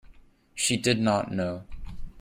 She did not know.